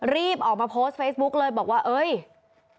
รีบออกมาโพสต์เฟซบุ๊กเลยบอกว่าเอ้ย